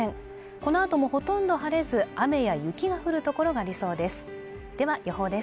このあともほとんど晴れず雨や雪が降る所がありそうですでは予報です